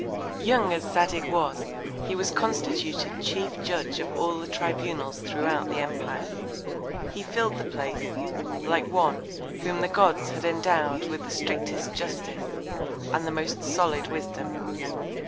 Young as Zadig was, he was constituted chief Judge of all the Tribunals throughout the Empire. He fill'd the Place, like one, whom the Gods had endow'd with the strictest Justice, and the most solid Wisdom.